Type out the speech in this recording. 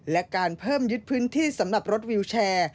และการเพิ่มยึดพื้นที่สำหรับรถวิวแชร์